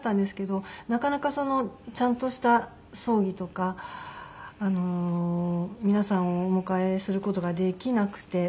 なかなかちゃんとした葬儀とか皆さんをお迎えする事ができなくて。